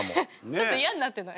ちょっと嫌になってない？